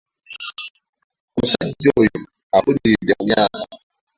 Omusajja oyo akuliridde mu myaka.